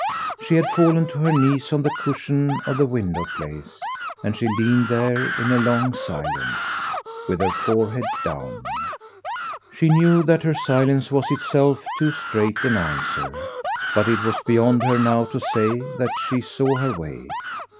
She had fallen to her knees on the cushion of the window place, and she leaned there, in a long silence, with her forehead down. She knew that her silence was itself too straight an answer, but it was beyond her now to say that she saw her way.